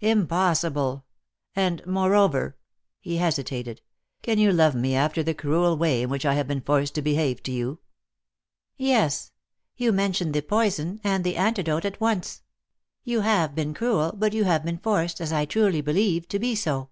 "Impossible! and, moreover " he hesitated. "Can you love me after the cruel way in which I have been forced to behave to you?" "Yes. You mention the poison and the antidote at once. You have been cruel, but you have been forced, as I truly believe, to be so.